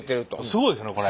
すごいですねこれ。